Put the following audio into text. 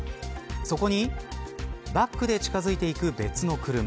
そこにバックで近づいていく別の車。